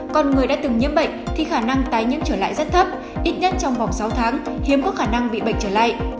còn người đã từng nhiễm bệnh thì khả năng tái nhiễm trở lại rất thấp ít nhất trong vòng sáu tháng hiếm có khả năng bị bệnh trở lại